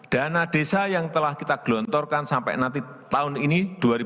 dana desa yang telah kita gelontorkan sampai nanti tahun ini dua ribu dua puluh